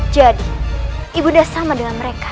jadi ibu nda sama dengan mereka